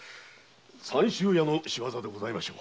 三州屋の仕業でございましょう。